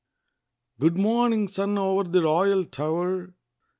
Good morning, sun, o'er the royal tower!